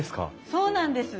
そうなんです。